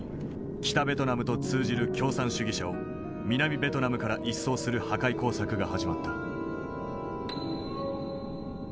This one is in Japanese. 北ベトナムと通じる共産主義者を南ベトナムから一掃する破壊工作が始まった。